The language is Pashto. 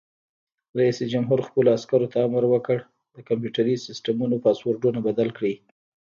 رئیس جمهور خپلو عسکرو ته امر وکړ؛ د کمپیوټري سیسټمونو پاسورډونه بدل کړئ!